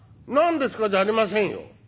「何ですかじゃありませんよ。